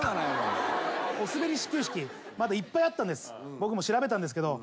僕も調べたんですけど。